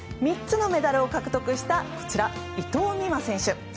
３つのメダルを獲得した伊藤美誠選手。